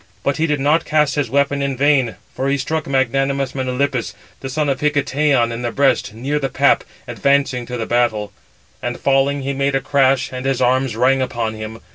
But he did not cast his weapon in vain, for he struck magnanimous Melanippus, the son of Hicetaon, in the breast, near the pap, advancing to the battle. And falling, he made a crash, and his arms rang upon him.